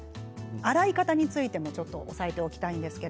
洗い方についても押さえておきましょう。